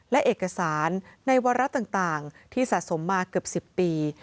และเอกสารในวาระต่างที่สะสมมาเกือบ๑๐ปี